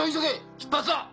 出発だ！